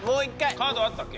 カードあったっけ？